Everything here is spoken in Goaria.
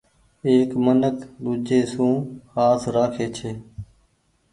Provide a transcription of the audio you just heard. ايڪ منک ۮيجھي سون آس رکي ڇي۔